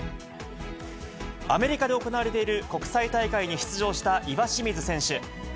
アメリカで行われている国際大会に出場した岩清水選手。